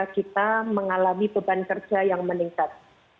kita mengalami beban kerja yang meningkat